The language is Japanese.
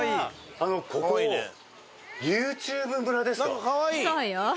あのここＹｏｕＴｕｂｅ村ですか？